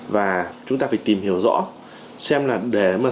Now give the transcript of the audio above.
và chúng ta phải tìm hiểu rõ xem là để mà xây dựng